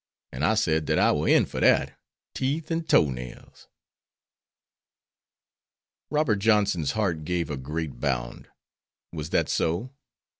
An' I said dat I war in for dat, teeth and toe nails." Robert Johnson's heart gave a great bound. Was that so?